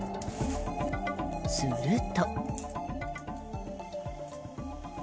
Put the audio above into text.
すると。